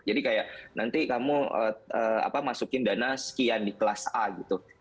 jadi kayak nanti kamu masukin dana sekian di kelas a gitu